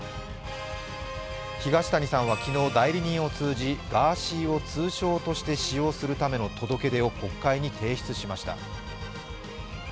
東谷さんは昨日、代理人を通じ、ガーシーを通称として使用するための届出を国会に提出しました。